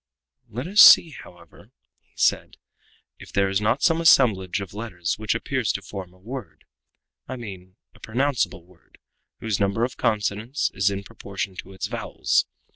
"Let us see, however," he said, "if there is not some assemblage of letters which appears to form a word I mean a pronounceable word, whose number of consonants is in proportion to its vowels.